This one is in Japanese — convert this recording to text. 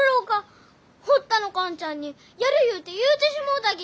堀田の寛ちゃんにやるゆうて言うてしもうたき！